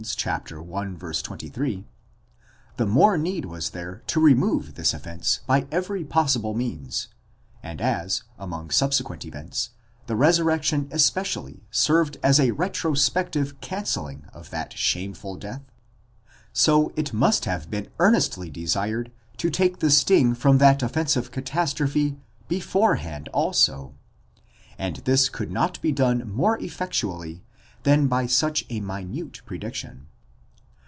23), the more need was there to remove this offence by every possible means ; and as, among subsequent events, the resurrection especially served as a retrospective cancelling of that shameful death; so it must have been earnestly desired to take the sting from that offensive catastrophe beforehand also, and this could not be done more effectually than by such a minute prediction.